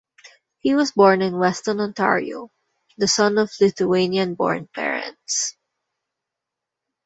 He was born in Weston, Ontario - the son of Lithuanian-born parents.